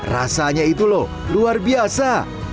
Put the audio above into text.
rasanya itu loh luar biasa